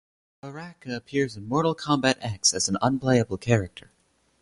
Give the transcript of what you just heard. Baraka appears in "Mortal Kombat X" as an unplayable character.